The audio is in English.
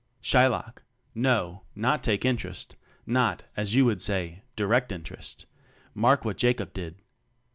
Shylock: No, not take interest, not, as you would say, Directly interest: mark what . Jacob did.